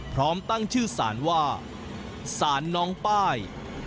พร้อมตั้งชื่อสารว่าสารน้องป้าย